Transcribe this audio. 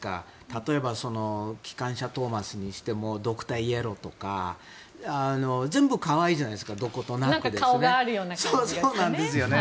例えば「きかんしゃトーマス」にしてもドクターイエローとか全部可愛いじゃないですかどことなくね。